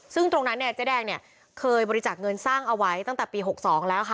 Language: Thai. ซึ่งตรงนั้นแดงเนี่ยเคยบริจาคเงินสร้างเอาไว้ตั้งแต่ปีหกสองแล้ว